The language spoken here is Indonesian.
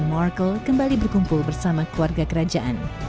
pertemuan ini menandakan meghan markle kembali berkumpul bersama keluarga kerajaan